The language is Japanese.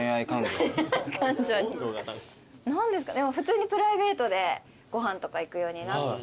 普通にプライベートでご飯とか行くようになってから。